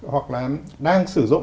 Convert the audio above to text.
hoặc là đang sử dụng